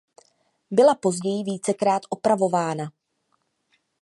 Byla později vícekrát opravována.